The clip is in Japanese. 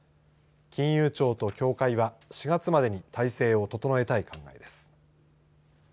金融庁と協会は４月までに体制を整えたい考えです。